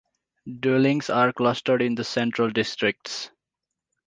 Dwellings are clustered in the central districts.